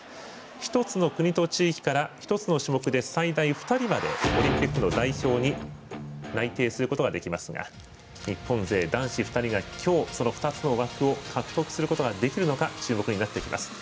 １つの国と地域から１つの種目で最大２人までオリンピックの代表に内定することができますが日本勢男子２人が今日、その２つの枠を獲得することはできるのか注目になってきます。